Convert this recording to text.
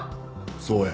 そうや。